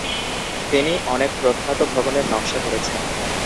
তিনি অনেক প্রখ্যাত ভবনের নকশা করেছেন।